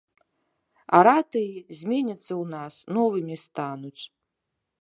Аратаі зменяцца ў нас, новымі стануць.